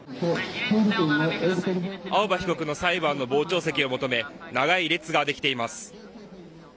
青葉被告の裁判の傍聴席を求め長い列ができています。